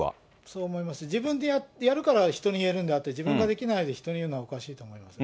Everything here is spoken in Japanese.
そう思います、自分でやるから人に言えるんであって、自分ができないで人に言うのはおかしいと思います。